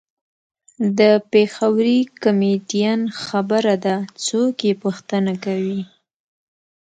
د پېښوري کمیډین خبره ده څوک یې پوښتنه کوي.